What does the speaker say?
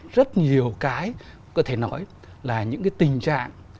rất nhiều cái có thể nói là những cái tình trạng